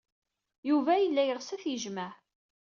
Yuba yella yeɣs ad t-yejmeɛ.